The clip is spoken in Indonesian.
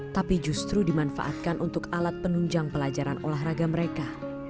tapi justru dimanfaatkan untuk alat penunjang pelajaran olahraga mereka